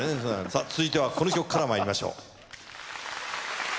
続いてはこの曲からまいりましょう。